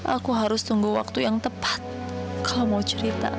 aku harus tunggu waktu yang tepat kau mau cerita